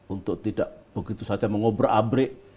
untuk tidak begitu saja mengobrak abrik